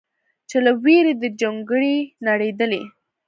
چې له ویرې دې جونګړې نړېدلې